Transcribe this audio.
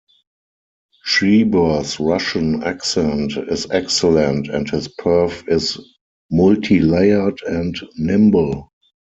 Trebor's Russian accent is excellent, and his perf is multilayered and nimble.